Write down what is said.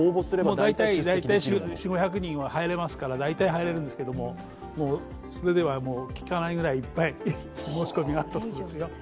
大体４００５００人は入れますから、入れるんですけど、それではきかないくらいいっぱい申し込みがあったそうですよ。